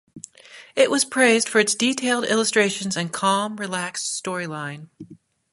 It was praised for its detailed illustrations and calm, relaxing storyline.